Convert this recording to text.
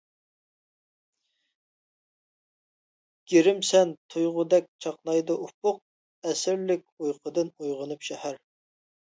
گىرىمسەن تۇيغۇدەك چاقنايدۇ ئۇپۇق، ئەسىرلىك ئۇيقۇدىن ئويغىنىپ شەھەر.